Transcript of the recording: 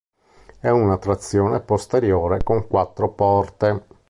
Era a trazione posteriore con quattro porte.